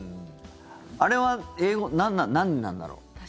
あれは、英語何なんだろう。